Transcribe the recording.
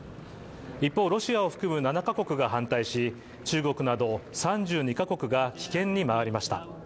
一方、ロシアが含む７か国が反対し、中国など３２か国が棄権に回りました。